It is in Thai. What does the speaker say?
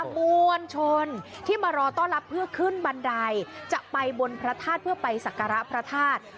มวลชนที่มารอต้อนรับเพื่อขึ้นบันไดจะไปบนพระธาตุเพื่อไปสักการะพระธาตุ